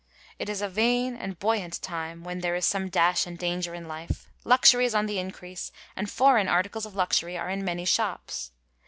It is a vain and buoyant time» when there is some dash and danger in life, luxury is on the increase, and foreign articles of luxury are in many shops.